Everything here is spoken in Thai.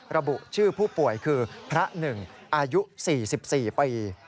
ระบุชื่อผู้ป่วยคือพระหนึ่งอายุ๔๔ปี